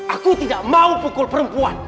aku tidak mau pukul perempuan